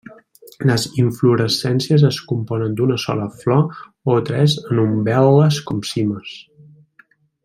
Les inflorescències es componen d'una sola flor o tres en umbel·les com cimes.